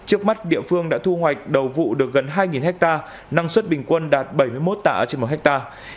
trước mắt địa phương đã thu hoạch đầu vụ được gần hai hectare năng suất bình quân đạt bảy mươi một tạ trên một hectare